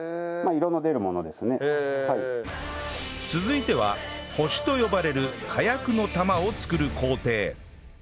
続いては星と呼ばれる火薬の玉を作る工程